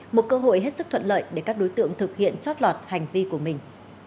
một cơ hội hết sức thuận lợi để các đối tượng thực hiện chót lọt hành vi của mình